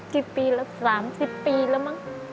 กี่ปีแล้ว๓๐ปีแล้วมั้ง